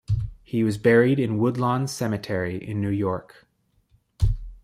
He was buried in Woodlawn Cemetery in New York.